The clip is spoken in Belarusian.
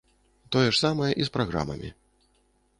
Тое ж самае і з праграмамі.